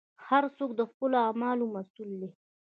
هر څوک د خپلو اعمالو مسوول دی.